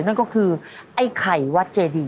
นั่นก็คือไอ้ไข่วัดเจดี